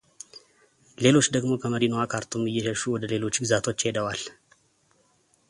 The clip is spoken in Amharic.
ሌሎች ደግሞ ከመዲናዋ ካርቱም እየሸሹ ወደ ሌሎች ግዛቶች ሄደዋል።